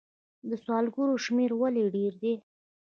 د سوالګرو شمیر ولې ډیر دی؟